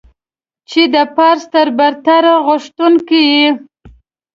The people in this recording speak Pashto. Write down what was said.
چې د پارس تر برتري غوښتونکو يې.